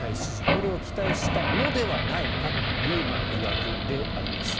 これを期待したのではないかという疑惑であります。